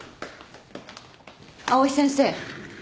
藍井先生。